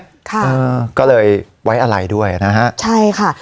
ค่ะก็เลยไว้อาลัยด้วยนะฮะใช่ค่ะ